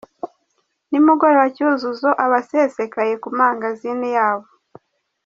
Nimugoroba Cyuzuzo aba asesekaye ku mangazini yabo.